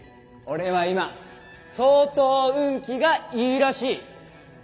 俺は今相当運気がいいらしい。